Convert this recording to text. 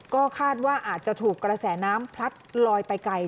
ก็คาดว่าอาจจะถูกกระแสน้ำพลัดลอยไปไกล